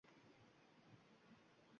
Bu safar yo‘naltirilgan bo‘ladi.